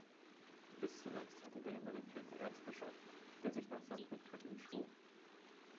Bis zuletzt hatte der emeritierte Erzbischof, der sich nach seinem Rücktritt im Sto.